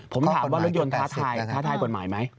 ผมถามว่ารถยนต์ท้าทายกฎหมายไหม